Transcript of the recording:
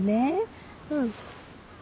うん。